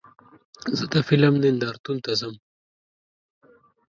زه د فلم نندارتون ته ځم.